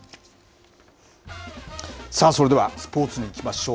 さあ、それではスポーツにいきましょう。